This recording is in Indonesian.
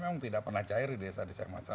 memang tidak pernah cair di desa desa